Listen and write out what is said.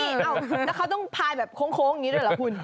แล้วเขาต้องพายแบบโค้งอย่างนี้ด้วยเหรอคุณ